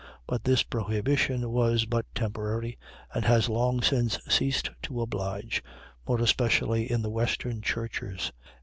But this prohibition was but temporary, and has long since ceased to oblige; more especially in the western churches.